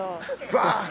バッ！